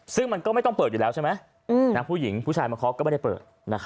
ซึ่งมันก็ไม่ต้องเปิดอยู่แล้วใช่ไหมผู้หญิงผู้ชายมาเคาะก็ไม่ได้เปิด